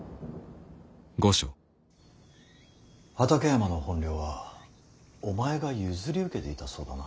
畠山の本領はお前が譲り受けていたそうだな。